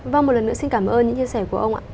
vâng một lần nữa xin cảm ơn những chia sẻ của ông ạ